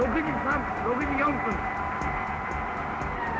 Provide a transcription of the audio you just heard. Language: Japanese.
６時４分。